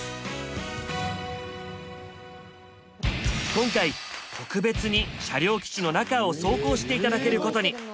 今回特別に車両基地の中を走行して頂けることに！